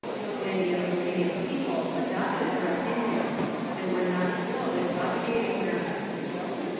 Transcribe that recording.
Many of the leading people adopted her opin ions, and were not slow in propagating them.